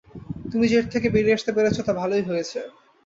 তুমি যে এর থেকে বেরিয়ে আসতে পেরেছ, তা ভালই হয়েছে।